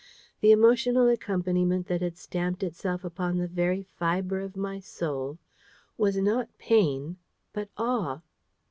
The emotional accompaniment that had stamped itself upon the very fibre of my soul, was not pain but awe.